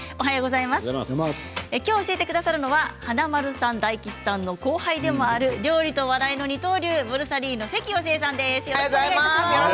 教えてくださるのは華丸さん大吉さんの後輩でもある料理と笑いの二刀流ボルサリーノ関好江さんです。